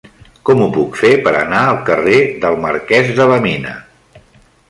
Com ho puc fer per anar al carrer del Marquès de la Mina?